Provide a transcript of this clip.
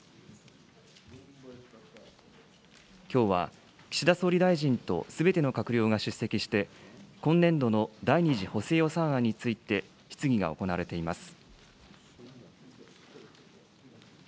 きょうは岸田総理大臣とすべての閣僚が出席して、今年度の第２次補正予算案について、質疑が行われています。